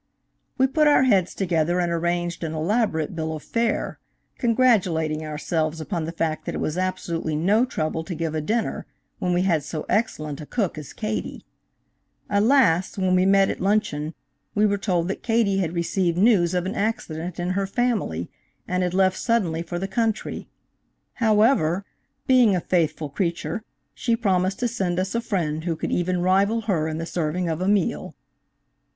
We put our heads together and arranged an elaborate bill of fare, congratulating ourselves upon the fact that it was absolutely no trouble to give a dinner when we had so excellent a cook as Katie. Alas when we met at luncheon, we were told that Katie had received news of an accident in her family, and had left suddenly for the country. However, being a faithful creature she promised to send us a friend who could even rival her in the serving of a meal.